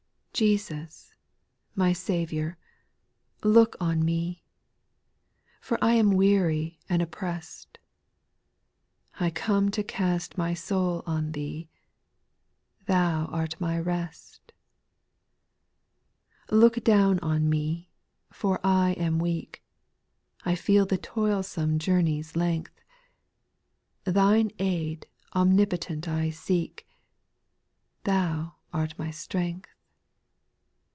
TESTIS, my Saviour, look on me I el For I am weary and opprest ; I come to cast my soul on Thee ;— Thou art my rest, j 2. (* Look down on me, for I am weak ; I feel the toilsome journey's length ; Thine aid omnipotent I seek ;— Thou art my strength.